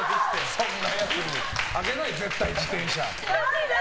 そんなやつにあげない絶対、自転車。